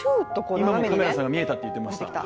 今もカメラさんが見えたって言ってました。